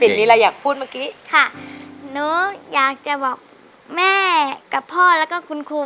มีอะไรอยากพูดเมื่อกี้ค่ะหนูอยากจะบอกแม่กับพ่อแล้วก็คุณครู